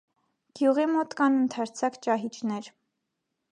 Գյուղի մոտ կան ընդարձակ ճահիճներ։